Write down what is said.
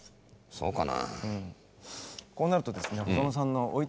そうかな。